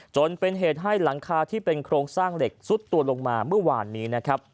จนเป็นเหตุให้หลังคาที่เป็นโครงสร้างเหล็กซุดตัวลงมาเมื่อวานนี้นะครับ